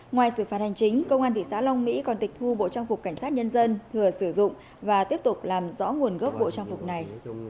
ngoài xử phạt hành chính công an thị xã long mỹ còn tịch thu bộ trang phục cảnh sát nhân dân thừa sử dụng và tiếp tục làm rõ nguồn gốc bộ trang phục này